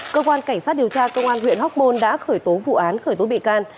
cơ quan cảnh sát điều tra công an huyện hóc môn đã khởi tố vụ án khởi tố bị can